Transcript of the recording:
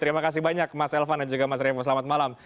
terima kasih banyak mas elvan dan juga mas revo selamat malam